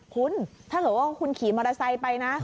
คุณถ้าเกิดว่าคุณขี่มอเตอร์ไซค์ไปนะ